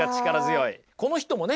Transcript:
この人もね